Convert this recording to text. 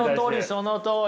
そのとおり。